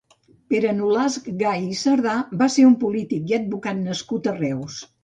Pere Nolasc Gay i Sardà va ser un polític i advocat nascut a Reus.